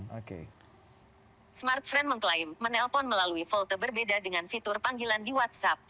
smartfriend mengklaim menelpon melalui vote berbeda dengan fitur panggilan di whatsapp